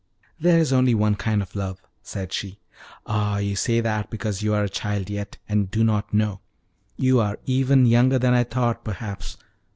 "There is only one kind of love," said she. "Ah, you say that because you are a child yet, and do not know. You are even younger than I thought, perhaps.